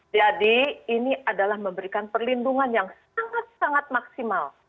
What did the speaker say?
jadi ini adalah memberikan perlindungan yang sangat sangat maksimal